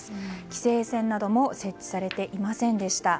規制線なども設置されていませんでした。